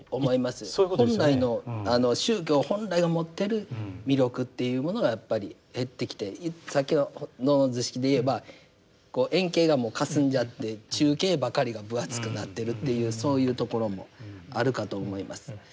本来の宗教本来が持ってる魅力っていうものがやっぱり減ってきてさっきの図式で言えばこう遠景がもうかすんじゃって中景ばかりが分厚くなってるっていうそういうところもあるかと思います。